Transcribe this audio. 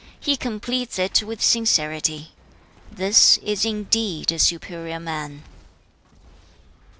He completes it with sincerity. This is indeed a superior man.'